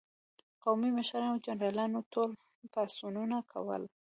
قومي مشرانو او جنرالانو ټول پاڅونونه کول.